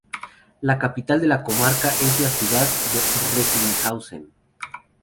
La capital de la comarca es la ciudad de Recklinghausen.